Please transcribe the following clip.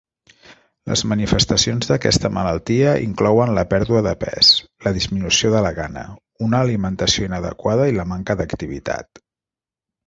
Les manifestacions d'aquesta malaltia inclouen la pèrdua de pes, la disminució de la gana, una alimentació inadequada i la manca d'activitat.